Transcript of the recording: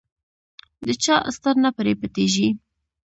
د چا ستر نه پرې پټېږي.